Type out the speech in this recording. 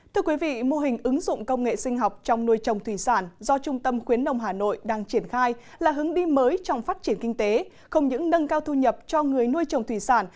thưa quý vị mô hình ứng dụng công nghệ sinh học trong nuôi trồng thủy sản do trung tâm khuyến nông hà nội đang triển khai là hướng đi mới trong phát triển kinh tế không những nâng cao thu nhập cho người nuôi trồng thủy sản